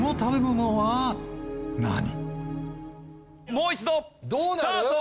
もう一度スタート。